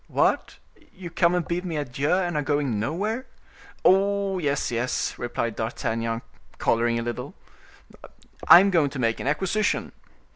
"What! you come and bid me adieu, and are going nowhere?" "Oh! yes, yes," replied D'Artagnan, coloring a little, "I am going to make an acquisition."